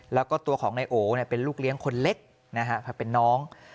แล้วก็ตัวของนายโอเป็นลูกเลี้ยงคนเล็กนะฮะเป็นน้อง